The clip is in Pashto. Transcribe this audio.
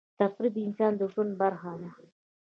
تفریح د انسان د ژوند برخه ده.